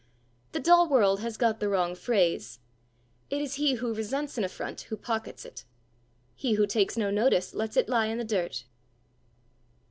The dull world has got the wrong phrase: it is he who resents an affront who pockets it! he who takes no notice, lets it lie in the dirt.